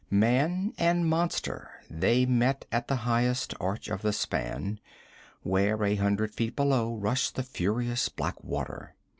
Man and monster; they met at the highest arch of the span, where, a hundred feet below, rushed the furious black water.